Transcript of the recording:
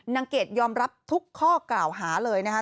เกดยอมรับทุกข้อกล่าวหาเลยนะคะ